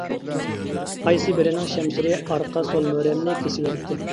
قايسى بىرىنىڭ شەمشىرى ئارقا سول مۈرەمنى كېسىۋەتتى.